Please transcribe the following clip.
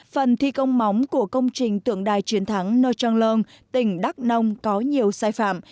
phần thi công móng của công trình tượng đài chiến thắng noi trang lơn tỉnh đắk nông có nhiều sai phạm